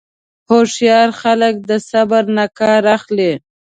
هوښیار خلک د صبر نه کار اخلي.